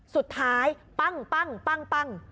สุดท้ายปั้ง